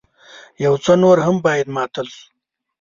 يو څه نور هم بايد ماتل شو.